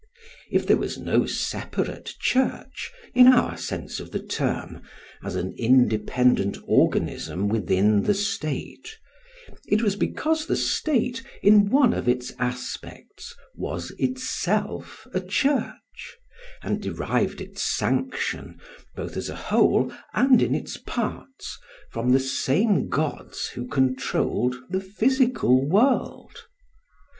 If there was no separate church, in our sense of the term, as an independent organism within the state, it was because the state, in one of its aspects, was itself a church, and derived its sanction, both as a whole and in its parts, from the same gods who controlled the physical world.